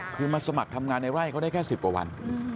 คือมาสมัครทำงานในไร่เขาได้แค่๑๐กว่าวัน